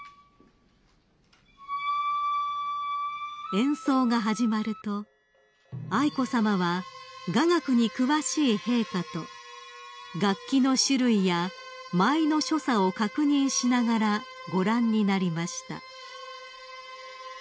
［演奏が始まると愛子さまは雅楽に詳しい陛下と楽器の種類や舞の所作を確認しながらご覧になりました］